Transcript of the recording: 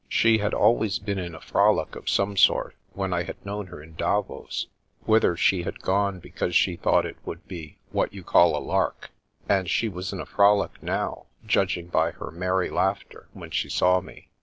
She had always been in a frolic of some sort, when I had known her in Davos, whither she had gone because she thought it would be " what you call a lark "; and she was in a frolic now, judg ing by her merry laughter when she saw me.